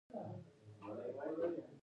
د سینې د زخم لپاره د خپلې شیدې وکاروئ